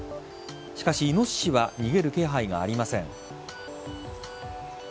しかし、イノシシは逃げる気配がありません。